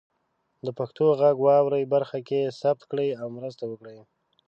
د پښتو غږ واورئ برخه کې ثبت کړئ او مرسته وکړئ.